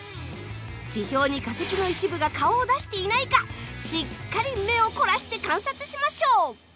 地表に化石の一部が顔を出していないかしっかり目を凝らして観察しましょう。